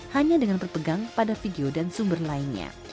hanya dengan berpegang pada video dan sumber lainnya